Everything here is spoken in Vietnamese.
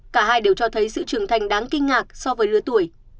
cả hai đều cho thấy sự trưởng thành đáng kinh ngạc so với lứa tuổi